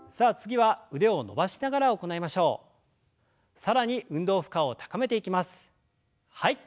はい。